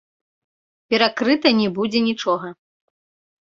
Перакрыта не будзе нічога.